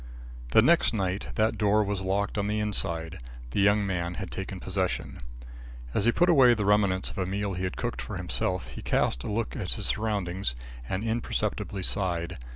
The next night that door was locked on the inside. The young man had taken possession. As he put away the remnants of a meal he had cooked for himself, he cast a look at his surroundings, and imperceptibly sighed.